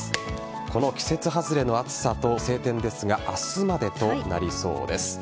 この季節はずれの暑さと晴天ですが明日までとなりそうです。